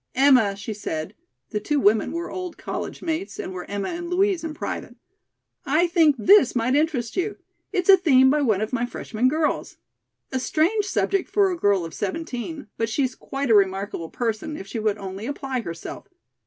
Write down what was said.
"Emma," she said (the two women were old college mates, and were Emma and Louise in private), "I think this might interest you. It's a theme by one of my freshman girls. A strange subject for a girl of seventeen, but she's quite a remarkable person, if she would only apply herself.